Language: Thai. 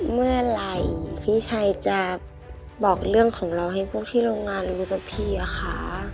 เมื่อไหร่พี่ชัยจะบอกเรื่องของเราให้พวกที่โรงงานรู้สักทีอะคะ